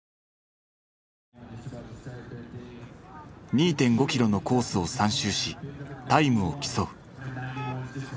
２．５キロのコースを３周しタイムを競う。